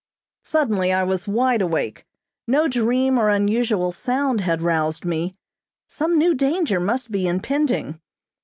Suddenly I was wide awake. No dream or unusual sound had roused me. Some new danger must be impending.